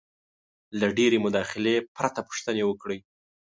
-له ډېرې مداخلې پرته پوښتنې وکړئ: